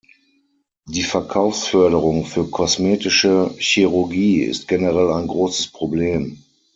Die Verkaufsförderung für kosmetische Chirurgie ist generell ein großes Problem.